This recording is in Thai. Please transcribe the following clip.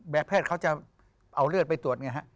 แพทย์เขาจะเอาเลือดไปตรวจไงฮะ